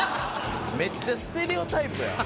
めっちゃステレオタイプやん。